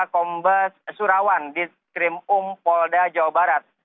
kombes surawan di krimum polda jawa barat